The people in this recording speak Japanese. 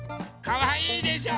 かわいいでしょ？